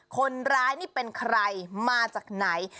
คนร้ายนี่เป็นใครมาจากไหน